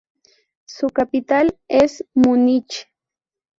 Su capital es Múnich.